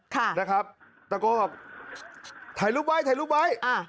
ค่ะนะครับตะโกนบอกถ่ายรูปไว้ถ่ายรูปไว้อ่า